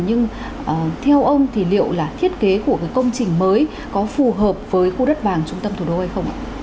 nhưng theo ông thì liệu là thiết kế của cái công trình mới có phù hợp với khu đất vàng trung tâm thủ đô hay không ạ